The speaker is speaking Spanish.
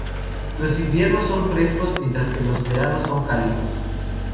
Los inviernos son frescos, mientras que los veranos son cálidos.